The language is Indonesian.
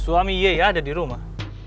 suami yei ada di rumah